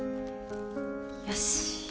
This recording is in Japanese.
よし。